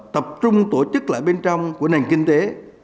tập trung tổ chức lại bên trong của nền kinh tế